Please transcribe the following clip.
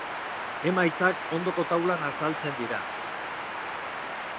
Emaitzak ondoko taulan azaltzen dira.